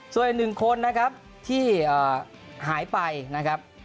ส่วนอีกหนึ่งคนนะครับที่หายไปนะครับ